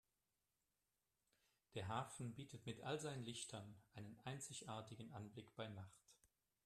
Der Hafen bietet mit all seinen Lichtern einen einzigartigen Anblick bei Nacht.